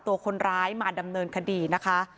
ตัวคนร้ายมาดำเนินคดีนะคะ